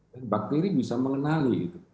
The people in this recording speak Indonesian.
dan bakteri bisa mengenali itu